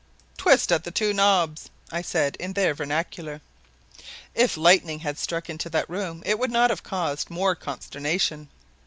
"Twist at the two knobs," I said in their vernacular. If lightning had struck into that room, it would not have caused more consternation.